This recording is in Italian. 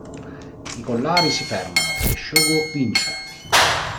I collari si fermano e Shogo vince.